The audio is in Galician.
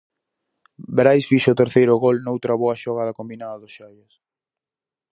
Brais fixo o terceiro gol noutra boa xogada combinada do Xallas.